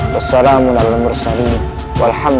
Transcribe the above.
wassalamualaikum warahmatullahi wabarakatuh